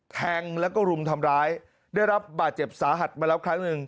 แทงแล้วก็รุมทำร้ายได้รับบาดเจ็บสาหัสมาแล้วครั้งหนึ่ง